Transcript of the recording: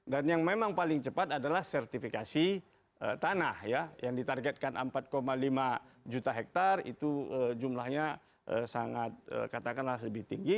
dan yang memang paling cepat adalah sertifikasi tanah ya yang ditargetkan empat lima juta hektar itu jumlahnya sangat katakanlah lebih tinggi